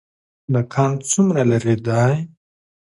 دکان څومره لرې دی؟